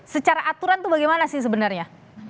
secara aturan itu bagaimana sih sebenarnya